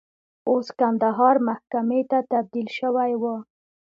اوس کندهار محکمې ته تبدیل شوی و.